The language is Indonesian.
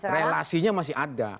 relasinya masih ada